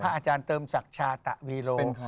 อาจารย์เติมศักดิ์ชาตะวีโล